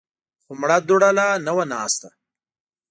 خو مړه دوړه لا نه وه ناسته.